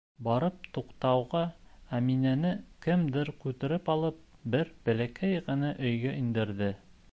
Барып туҡтауға, Әминәне, кемдер күтәреп алып, бер бәләкәй генә өйгә индерҙе.